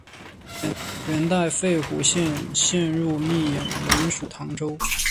元代废湖阳县入泌阳县仍属唐州。